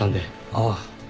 ああ。